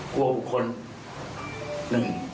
กลัวบุคคลหนึ่ง